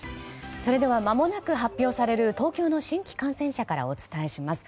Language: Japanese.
まもなく発表される東京の新規感染者からお伝えします。